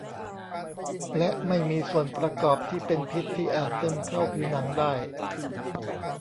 และไม่มีส่วนประกอบที่เป็นพิษที่อาจซึมเข้าผิวหนังได้